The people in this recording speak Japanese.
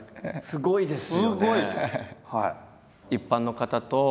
すごいです！